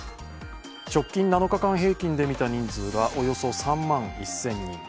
直近７日間平均で見た人数がおよそ３万１０００人。